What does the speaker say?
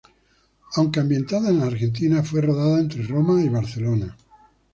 Aunque ambientada en Argentina, fue rodada entre Roma y Barcelona.